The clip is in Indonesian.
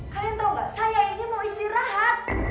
kalian tau gak saya ini mau istirahat